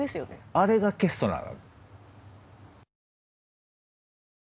あれがケストナーなの。